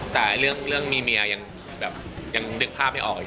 แต่เรื่องมีเมียยังดึกภาพไม่ออก